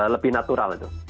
lebih natural itu